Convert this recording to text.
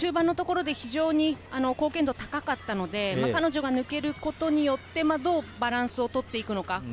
中盤のところで貢献度が高かったので、彼女が抜けることでどうバランスをとっていくのか。